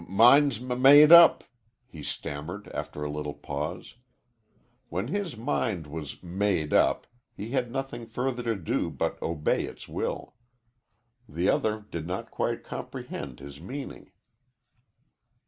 "M mind's m made up," he stammered, after a little pause. When his mind was "made up" he had nothing further to do but obey its will. The other did not quite comprehend his meaning.